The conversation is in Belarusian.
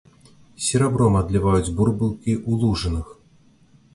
Серабром адліваюць бурбалкі ў лужынах.